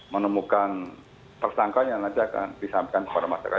menemukan tersangka yang nanti akan disampaikan kepada masyarakat